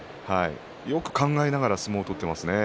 よく考えながら相撲を取っていますよね。